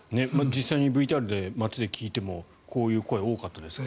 実際にＶＴＲで街で聞いてもこういう声、多かったです。